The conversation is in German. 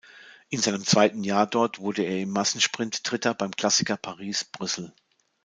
In seinem zweiten Jahr dort wurde er im Massensprint Dritter beim Klassiker Paris-Brüssel.